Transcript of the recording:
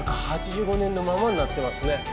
１９８５年のままになってますね。